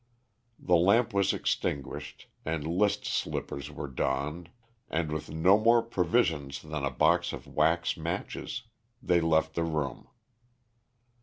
The lamp was extinguished and list slippers were donned, and with no more provision than a box of wax matches they left the room.